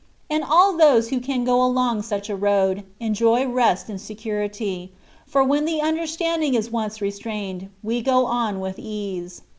And all those who can go along such a road, enjoy rest and security, for when the un derstanding is once restrained, we go on with ease.